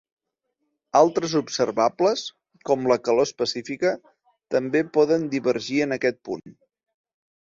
Altres observables, com la calor específica, també poden divergir en aquest punt.